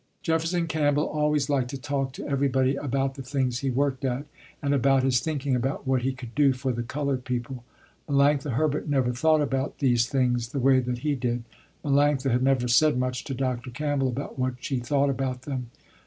Jefferson Campbell always liked to talk to everybody about the things he worked at and about his thinking about what he could do for the colored people. Melanctha Herbert never thought about these things the way that he did. Melanctha had never said much to Dr. Campbell about what she thought about them.